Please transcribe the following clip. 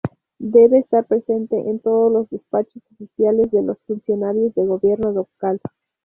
Debe estar presente en todos los despachos oficiales de los funcionarios de gobierno local.